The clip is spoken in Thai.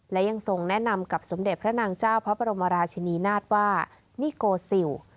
และยังทรงแนะนำกับสมเด็จพระนางเจ้าพระบรมราชินีนาฏว่านิโกซิล